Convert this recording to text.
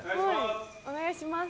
お願いします。